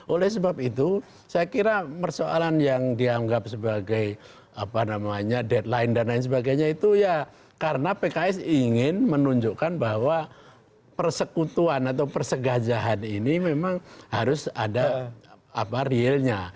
oleh sebab itu saya kira persoalan yang dianggap sebagai deadline dan lain sebagainya itu ya karena pks ingin menunjukkan bahwa persekutuan atau persegajahan ini memang harus ada realnya